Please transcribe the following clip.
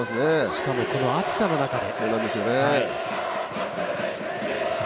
しかも、この暑さの中で。